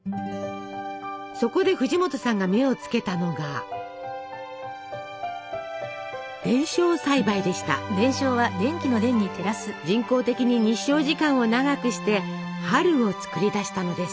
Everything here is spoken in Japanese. そこで藤本さんが目をつけたのが人工的に日照時間を長くして「春」を作り出したのです。